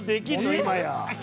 今や。